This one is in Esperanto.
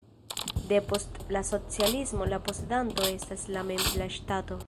Depost la socialismo la posedanto estas la mem la ŝtato.